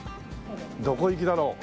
どこ行きだろう？